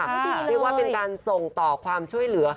เรียกว่าเป็นการส่งต่อความช่วยเหลือ